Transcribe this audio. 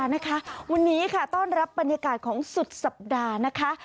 วันนี้ค่ะต้อนรับวันนี้ก่อนคือปรันยากาศของสุดสัปดาห์นะคะ